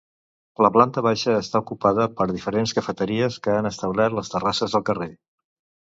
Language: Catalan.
La planta baixa està ocupada per diferents cafeteries que han establert les terrasses al carrer.